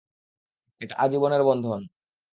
এটা আজীবনের বন্ধন।